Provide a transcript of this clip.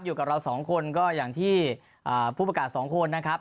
อยู่กับเราสองคนก็อย่างที่ผู้ประกาศ๒คนนะครับ